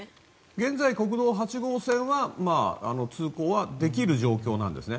現在、国道８号線は通行はできる状況なんですね。